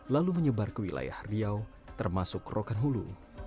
lalu menyebar ke wilayah riau termasuk rokan hulu